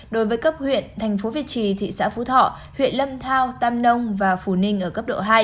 đối với cấp huyện thành phố việt trì thị xã phú thọ huyện lâm thao tam nông và phù ninh ở cấp độ hai